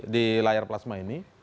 di layar plasma ini